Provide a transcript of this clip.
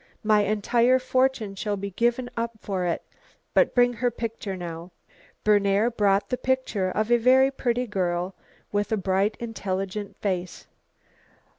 My entire fortune shall be given up for it. But bring her picture now." Berner brought the picture of a very pretty girl with a bright intelligent face.